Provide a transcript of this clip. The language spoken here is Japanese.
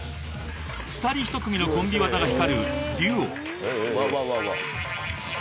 ［２人一組のコンビ技が光るデュオ］